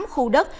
tám khu đất